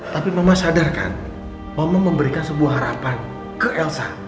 tapi mama sadarkan mama memberikan sebuah harapan ke elsa